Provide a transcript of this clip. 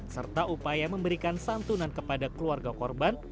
serta upaya memberikan santunan kepada keluarga korban